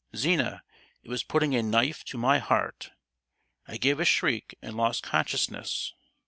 Zina, it was putting a knife to my heart! I gave a shriek and lost consciousness.